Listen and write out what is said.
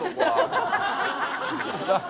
ハハハハ！